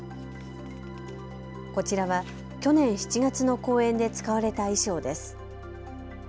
こちらは去年７月の公演で使われた衣装です。